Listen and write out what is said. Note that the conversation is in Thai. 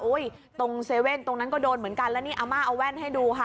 ตรงเซเว่นตรงนั้นก็โดนเหมือนกันแล้วนี่อาม่าเอาแว่นให้ดูค่ะ